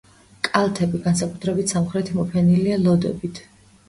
კალთები, განსაკუთრებით სამხრეთი მოფენილია ლოდებით.